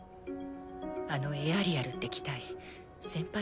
あのエアリアルって機体先輩